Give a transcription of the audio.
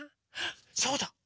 そうだ！